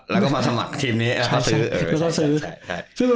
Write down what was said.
แล้วก็มาสมัครทีมนี้ต้องซื้อ